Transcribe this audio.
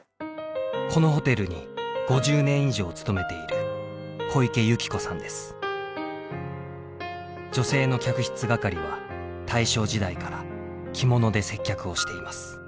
このホテルに５０年以上勤めている女性の客室係は大正時代から着物で接客をしています。